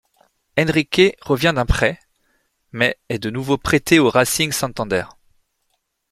Henrique revient d'un prêt mais est de nouveau prêté au Racing Santander.